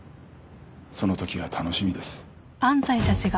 そのときが楽しみです。